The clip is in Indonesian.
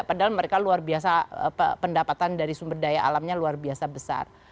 padahal mereka luar biasa pendapatan dari sumber daya alamnya luar biasa besar